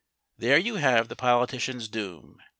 There you have the politician's doom.